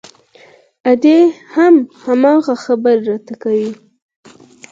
ادې هم هماغه خبرې راته کوي.